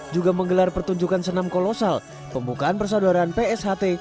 juga menggelar pertunjukan senam kolosal pembukaan persaudaraan psht